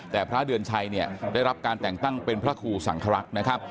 แต่พระเดือนชัยได้รับการแต่งตั้งเป็นพระครูสังขรักษ์